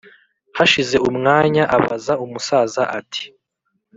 hashize umwanya abaza umusaza ati: